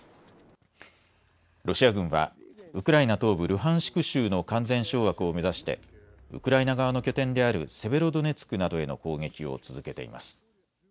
ロシア軍はウクライナ東部ルハンシク州の完全掌握を目指してウクライナ側の拠点であるセベロドネツクなどへの攻撃を続けています。